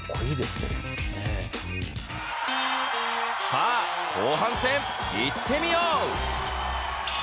さあ、後半戦、いってみよう。